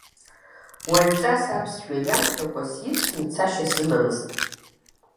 Уаҩҵас аԥсшәа иамҳәакәа сивсны цашьа сымамызт.